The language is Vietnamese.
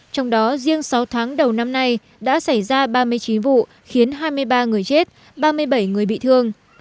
trong đó riêng sáu tháng đầu năm nay đã xảy ra ba mươi chín vụ khiến hai mươi ba người chết ba mươi bảy người bị thương